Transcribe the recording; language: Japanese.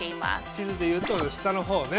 地図でいうと下のほうね。